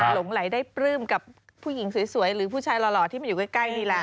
หลงไหลได้ปลื้มกับผู้หญิงสวยหรือผู้ชายหล่อที่มันอยู่ใกล้นี่แหละ